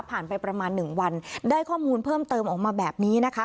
ไปประมาณหนึ่งวันได้ข้อมูลเพิ่มเติมออกมาแบบนี้นะคะ